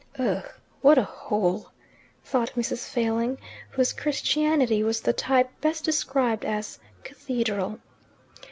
"Ugh! what a hole," thought Mrs. Failing, whose Christianity was the type best described as "cathedral."